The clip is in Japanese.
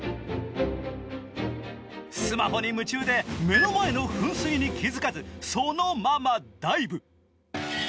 スマホに夢中で目の前の噴水に気付かず、そのままダイブ。